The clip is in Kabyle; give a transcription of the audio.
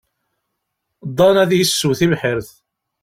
Dan ad yessew tibḥirt.